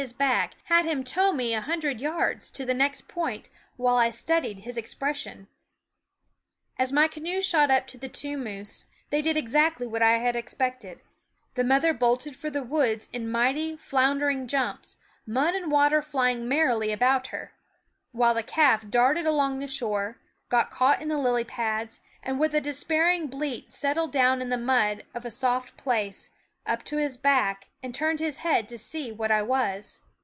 his back had him tow me a , hundred yards, to the next point, while I studied his expression. THE WOODS As my canoe shot up to the two moose, they did exactly what I had expected; the mother bolted for the woods in mighty, floundering jumps, mud and water flying merrily about her; while the calf darted 7AeffJih?y along the shore, got caught in the lily pads, and with a despairing bleat settled down in the mud of a soft place, up to his back, and turned his head to see what I was.